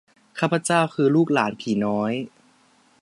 ข้าพเจ้าคือ ลูกหลานผีน้อย